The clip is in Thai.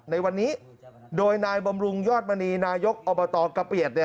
ในวันนี้โดยนายบำรุงยอดมณีนายกอบตกะเปียด